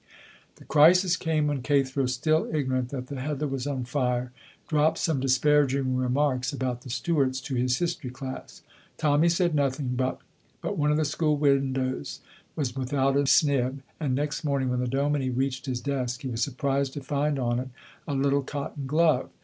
The crisis came when Cathro, still ignorant that the heather was on fire, dropped some disparaging remarks about the Stuarts to his history class. Tommy said nothing, but but one of the school windows was without a snib, and next morning when the dominie reached his desk he was surprised to find on it a little cotton glove.